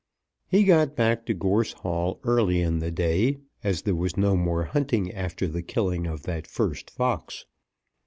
He got back to Gorse Hall early in the day, as there was no more hunting after the killing of that first fox.